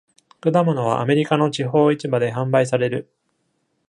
果物はアメリカの地方市場で販売される。